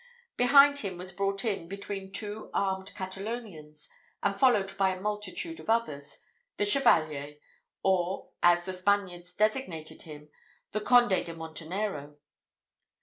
Behind him was brought in, between two armed Catalonians, and followed by a multitude of others, the Chevalier or, as the Spaniards designated him, the Conde de Montenero.